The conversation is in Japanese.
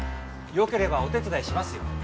よければお手伝いしますよ。